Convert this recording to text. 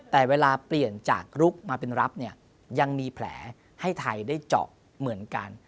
แต่เวลาเปลี่ยนจากลุกมาเป็นรับเนี่ยยังมีแผลให้ไทยได้เจาะเหมือนกัน